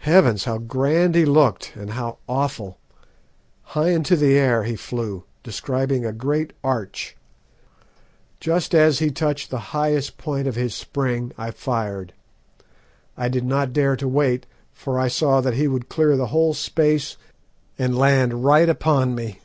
"Heavens! how grand he looked, and how awful! High into the air he flew, describing a great arch. Just as he touched the highest point of his spring I fired. I did not dare to wait, for I saw that he would clear the whole space and land right upon me.